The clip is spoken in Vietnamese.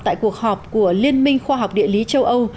tại cuộc họp của liên minh khoa học địa lý châu âu